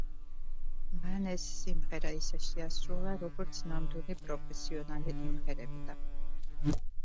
მან ეს სიმღერა ისე შეასრულა, როგორც ნამდვილი პროფესიონალი იმღერებდა.